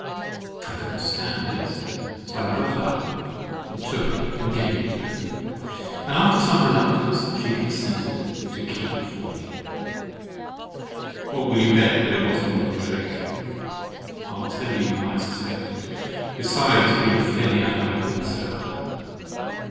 —I could not stand this. So I got up and took it, and gave it her, and after some reluctance, she consented to "keep it for me." What will you bet me that it wasn't all a trick? I'll tell you why I suspect it, besides being fairly out of my wits about her.